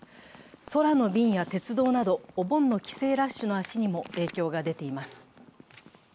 空の便や鉄道などお盆の帰省ラッシュの足にも影響が出ています。